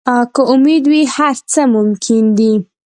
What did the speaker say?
که امید وي، هر څه ممکن دي.